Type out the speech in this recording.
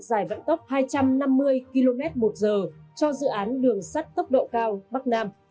dài vận tốc hai trăm năm mươi km một giờ cho dự án đường sắt tốc độ cao bắc nam